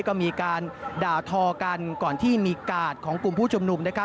ก็มีการด่าทอกันก่อนที่มีกาดของกลุ่มผู้ชุมนุมนะครับ